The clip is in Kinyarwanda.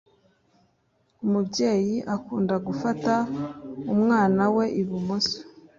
Umubyeyi akunda gufata umwana we ibumoso